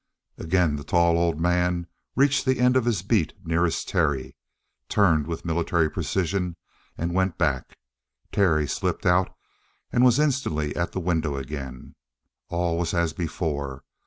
Again the tall old man reached the end of his beat nearest Terry, turned with military precision and went back. Terry slipped out and was instantly at the window again. All was as before.